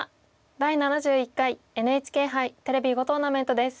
「第７１回ＮＨＫ杯テレビ囲碁トーナメント」です。